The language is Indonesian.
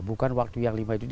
bukan waktu yang lima itu